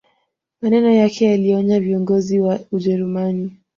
Maneno yake yalionya viongozi wa ujerumani